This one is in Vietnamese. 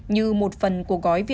như một phần của gói